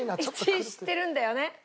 １位知ってるんだよね？